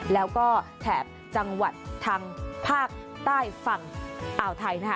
แล้วก็แถบจังหวัดทางภาคใต้ฝั่งอ่าวไทยนะคะ